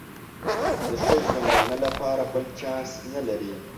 د ښه ژوندانه لپاره بل چانس نه لري.